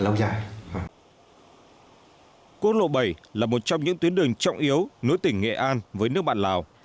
quốc lộ bảy là một trong những tuyến đường trọng yếu nối tỉnh nghệ an với nước bạn lào